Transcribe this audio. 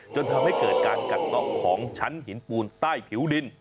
จนทำให้เกิดการกัดเกาะของชั้นหินปูนใต้ผิวดิน